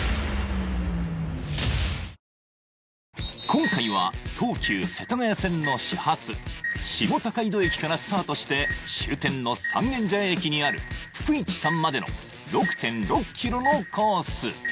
今回は東急世田谷線の始発下高井戸駅からスタートして終点の三軒茶屋駅にあるぷくいちさんまでの６．６ｋｍのコース